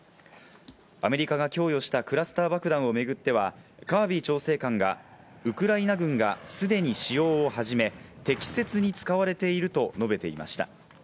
アメリカが供与したクラスター爆弾を巡っては、カービー調整官がウクライナ軍がすでに使用をはじめ、適切に使われていると述べていました。